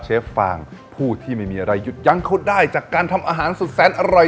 ฟางผู้ที่ไม่มีอะไรหยุดยั้งเขาได้จากการทำอาหารสุดแสนอร่อย